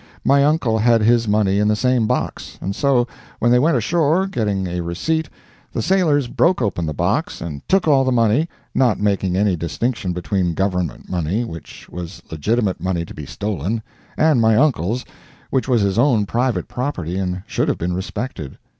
My uncle had his money in the same box, and so when they went ashore, getting a receipt, the sailors broke open the box and took all the money, not making any distinction between government money, which was legitimate money to be stolen, and my uncle's, which was his own private property, and should have been respected.